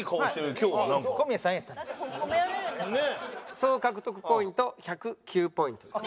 総獲得ポイント１０９ポイントです。